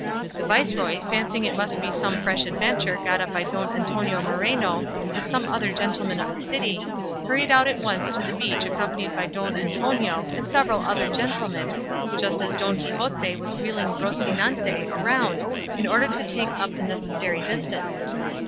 The viceroy, fancying it must be some fresh adventure got up by Don Antonio Moreno or some other gentleman of the city, hurried out at once to the beach accompanied by Don Antonio and several other gentlemen, just as Don Quixote was wheeling Rocinante round in order to take up the necessary distance.